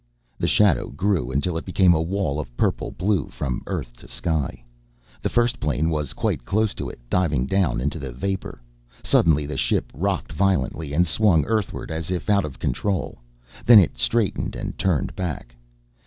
The shadow grew until it became a wall of purple blue from earth to sky. The first plane was quite close to it, diving down into the vapor. Suddenly the ship rocked violently and swung earthward as if out of control. Then it straightened and turned back.